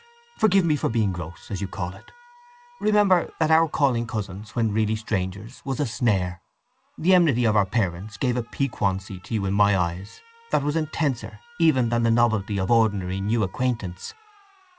Forgive me for being gross, as you call it! Remember that our calling cousins when really strangers was a snare. The enmity of our parents gave a piquancy to you in my eyes that was intenser even than the novelty of ordinary new acquaintance."